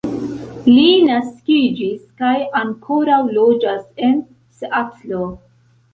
Li naskiĝis kaj ankoraŭ loĝas en Seatlo.